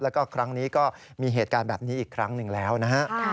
แล้วก็ครั้งนี้ก็มีเหตุการณ์แบบนี้อีกครั้งหนึ่งแล้วนะฮะ